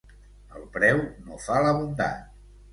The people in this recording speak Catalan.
El preu no fa la bondat.